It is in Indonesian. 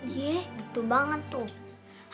iya betul banget tuh